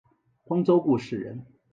光州固始人。